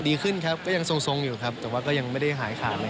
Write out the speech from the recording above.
ดีขึ้นครับก็ยังทรงอยู่ครับแต่ว่าก็ยังไม่ได้หายขาดอะไร